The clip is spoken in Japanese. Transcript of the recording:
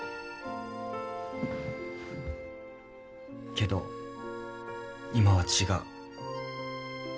けど今は違う。